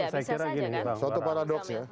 suatu paradoks ya